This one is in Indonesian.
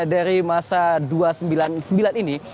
dari masa dua ratus sembilan puluh sembilan ini